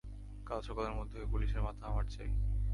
কাল সকালের মধ্যে, ওই পুলিশের মাথা আমার চাই।